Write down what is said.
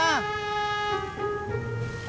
ya tis kenapa